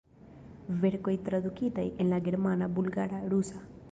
Verkoj tradukitaj en la germana, bulgara, rusa.